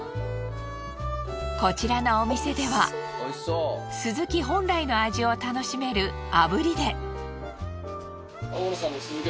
こちらのお店ではスズキ本来の味を楽しめるあぶりで。